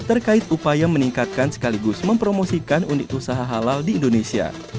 terkait upaya meningkatkan sekaligus mempromosikan unit usaha halal di indonesia